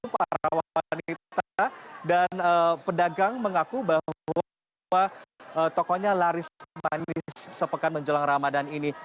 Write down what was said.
para wanita dan pedagang mengaku bahwa tokonya laris manis sepekan menjelang ramadan ini